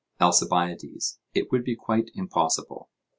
ALCIBIADES: It would be quite impossible.